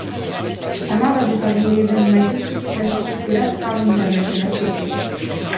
Kanada wykazuje jeden z najwyższych wskaźników piractwa w Internecie na świecie